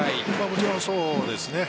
もちろんそうですね。